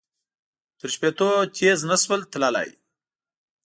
تر شپېتو تېز نه شول تللای.